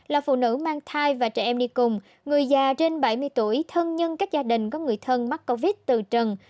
là phụ nữ mang thai và trẻ em đi cùng người già trên bảy mươi tuổi thân nhân các gia đình có người thân mắc covid từ trần